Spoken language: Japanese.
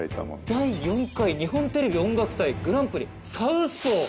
「第４回日本テレビ音楽祭グラン・プリ『サウスポー』」！